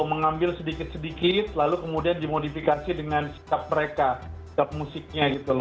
mengambil sedikit sedikit lalu kemudian dimodifikasi dengan sikap mereka sikap musiknya gitu loh